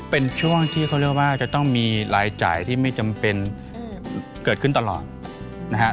เป็นช่วงที่เขาเรียกว่าจะต้องมีรายจ่ายที่ไม่จำเป็นเกิดขึ้นตลอดนะฮะ